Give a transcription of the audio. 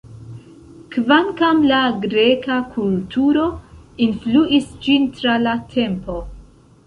Kvankam la greka kulturo influis ĝin tra la tempo.